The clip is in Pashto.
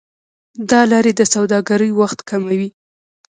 دا لارې د سوداګرۍ وخت کموي.